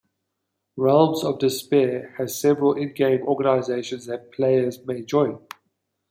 "Realms of Despair" has several in-game organizations that players may join.